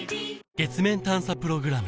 月面探査プログラム